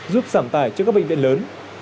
giúp giảm tải cho các bệnh viện lớn